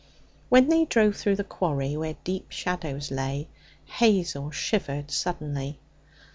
When they drove through the quarry, where deep shadows lay, Hazel shivered suddenly.